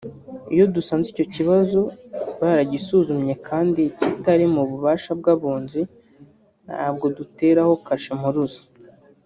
Iyo dusanze icyo kibazo baragisuzumye kandi kitari mu bubasha bw’abunzi ntabwo duteraho kashe mpuruza